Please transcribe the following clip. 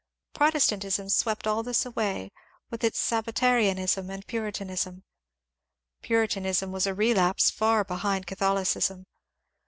Protestant ism swept all this away with its Sabbatarianism and Puri tanism. Puritanism was a relapse far behind Catholicism.